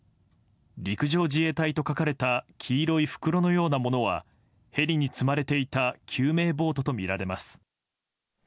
陸上自衛隊と書かれた黄色い袋のようなものはヘリに積まれていた救命ボートとみられています。